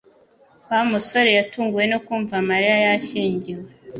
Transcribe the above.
Wa musore yatunguwe no kumva Mariya yashyingiwe